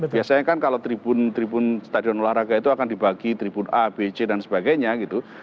biasanya kan kalau tribun tribun stadion olahraga itu akan dibagi tribun a b c dan sebagainya gitu